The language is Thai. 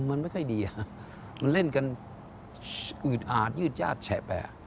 มันไม่ค่อยดีฮะมันเล่นกันอืดอาดยืดญาติแฉะแปะ